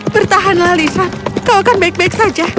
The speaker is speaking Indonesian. bertahanlah lisa kau akan baik baik saja